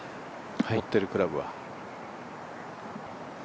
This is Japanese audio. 持ってるクラブは。